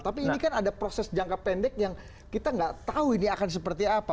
tapi ini kan ada proses jangka pendek yang kita nggak tahu ini akan seperti apa